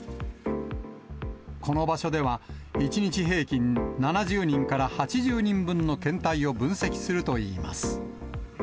この場所では、１日平均７０人から８０人分の検体を分析するといいます。